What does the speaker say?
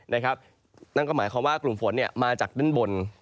นั่นก็หมายความว่ากลุ่มฝนมาจากด้านบน